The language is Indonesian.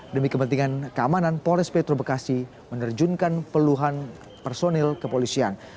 demi kepentingan keamanan polres metro bekasi menerjunkan puluhan personil kepolisian